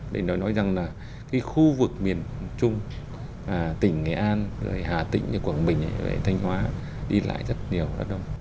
để nói rằng là cái khu vực miền trung tỉnh nghệ an rồi hà tĩnh quảng bình rồi thanh hóa đi lại rất nhiều rất đông